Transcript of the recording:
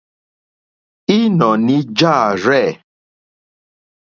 Ínɔ̀ní jâ rzɛ̂.